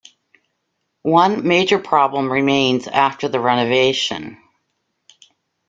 One major problem remains after the renovation.